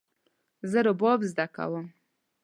زه رباب زده کوم